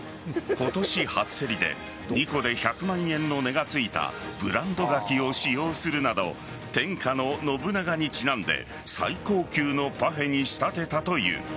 今年、初競りで２個で１００万円の値がついたブランド柿を使用するなど天下の信長にちなんで最高級のパフェに仕立てたという。